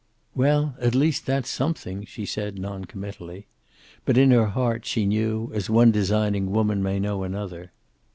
"Well, at least that's something," she said, noncommittally. But in her heart she knew, as one designing woman may know another.